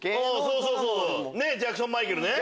ジャクソン・マイケルね！